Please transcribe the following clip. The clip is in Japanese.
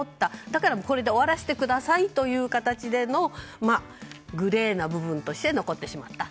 だからこれで終わらせてくださいという形でのグレーな部分として残ってしまった。